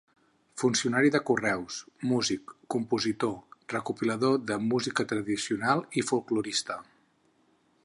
Funcionari de Correus, músic, compositor, recopilador de Música tradicional i folklorista.